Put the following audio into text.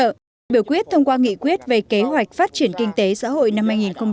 và biểu quyết thông qua nghị quyết về kế hoạch phát triển kinh tế xã hội năm hai nghìn một mươi bảy